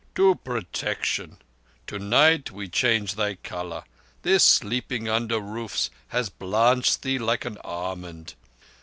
"To protection. Tonight we change thy colour. This sleeping under roofs has blanched thee like an almond.